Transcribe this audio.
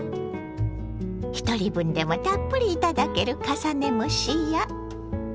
ひとり分でもたっぷり頂ける重ね蒸しや。